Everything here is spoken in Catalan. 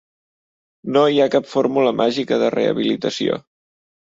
No hi ha cap fórmula màgica de rehabilitació.